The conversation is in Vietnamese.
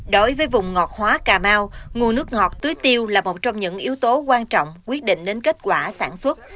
đối với vùng ngọt hóa cà mau nguồn nước ngọt tưới tiêu là một trong những yếu tố quan trọng quyết định đến kết quả sản xuất